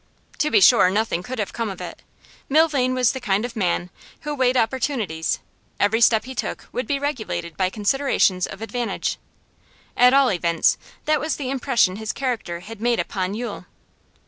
To be sure, nothing could have come of it. Milvain was the kind of man who weighed opportunities; every step he took would be regulated by considerations of advantage; at all events that was the impression his character had made upon Yule.